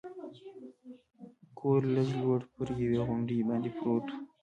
کور لږ لوړ پر یوې غونډۍ باندې پروت و.